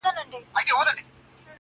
په څه سپک نظر به گوري زموږ پر لوري-